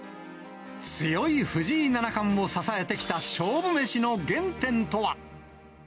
強い藤井七冠を支えてきた勝負飯の原点とは。